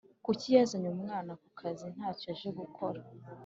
Kuki yazanye umwana kukazi ntacyo aje gukora